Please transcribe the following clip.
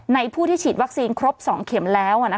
ผู้ที่ฉีดวัคซีนครบ๒เข็มแล้ว